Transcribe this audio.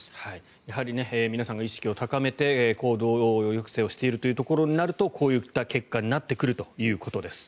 やはり皆さんが意識を高めて行動抑制をしているというところになるとこういった結果になってくるということです。